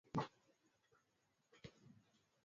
kwa wageni wa nje wanaoingia nchini kwa mara ya kwanza